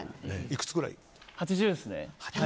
いくつぐらい？